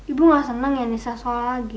ibu tidak senang ya anissa sekolah lagi